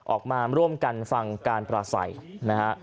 ออกมาร่วมกันฟังการปราศัยนะฮะ